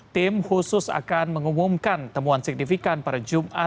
tim khusus akan mengumumkan temuan signifikan pada jumat